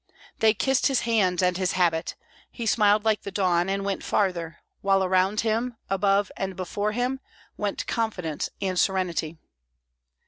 They kissed his hands and his habit; he smiled like the dawn, and went farther, while around him, above and before him, went confidence and serenity.